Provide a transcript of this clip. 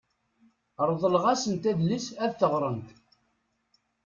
Reḍleɣ-asent adlis ad t-ɣrent.